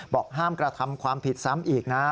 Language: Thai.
บอกห้ามกระทำความผิดซ้ำอีกนะ